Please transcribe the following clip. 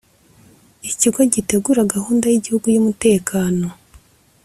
Ikigo gitegura Gahunda y Igihugu y Umutekano